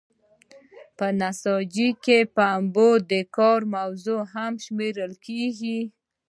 په نساجۍ کې پنبه د کار موضوع هم شمیرل کیږي.